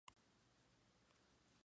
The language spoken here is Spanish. Nunca llegó a asumir el cargo.